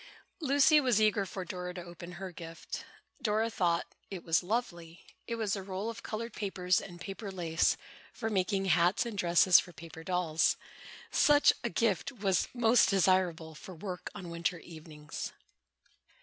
Lucy was eager for Dora to open her gift. Dora thought it was lovely. It was a roll of colored papers and paper lace, for making hats and dresses for paper dolls. Such a gift was most desirable for work on winter evenings.